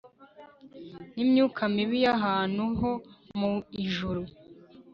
nimyuka mibi yahantu ho mu ijuru